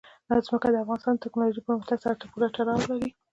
ځمکه د افغانستان د تکنالوژۍ پرمختګ سره پوره تړاو لري.